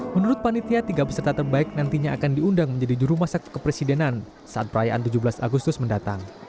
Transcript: menurut panitia tiga peserta terbaik nantinya akan diundang menjadi di rumah sakit kepresidenan saat perayaan tujuh belas agustus mendatang